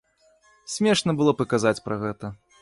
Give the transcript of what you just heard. Смешна было б і казаць пра гэта.